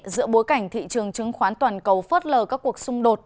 giữa bối cảnh thị trường chứng khoán toàn cầu phớt lờ các cuộc xung đột